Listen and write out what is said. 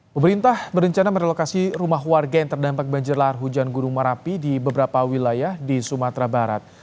pemerintah berencana merelokasi rumah warga yang terdampak banjir lahar hujan gunung merapi di beberapa wilayah di sumatera barat